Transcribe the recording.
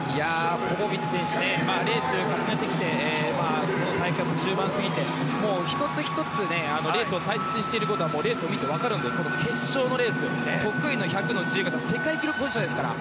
ポポビッチ選手レース重ねてきてこの大会中盤を過ぎて１つ１つレースを大切にしていることはレースを見て分かるので決勝のレース得意の１００ｍの自由形世界記録保持者ですから。